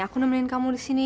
aku nemenin kamu di sini